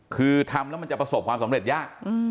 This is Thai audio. คือทำแล้วมันจะประสบความสำเร็จยาก